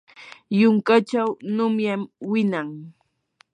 yunkachaw nunyam winan.